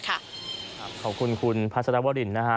ขอบคุณคุณพระสัตว์ว่าดินนะคะ